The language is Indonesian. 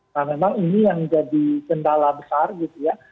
nah memang ini yang jadi kendala besar gitu ya